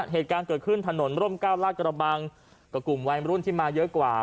เหตุการณ์เกิดขึ้นถนนร่มเก้าลาดกระบังก็กลุ่มวัยรุ่นที่มาเยอะกว่า